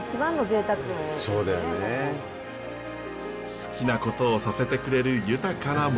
好きなことをさせてくれる豊かな森。